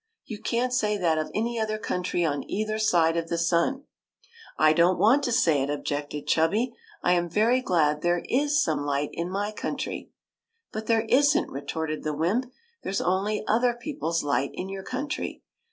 You can't say that of any other country on either side of the sun !"" I don't want to say it," objected Chubby; " I am very glad there is some light in my country." " But there is n't," retorted the wymp. " There 's only other people's light in your country